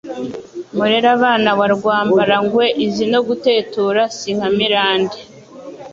Murerabana wa Rwambarangwe, Izi no gutetura, si nkamirande :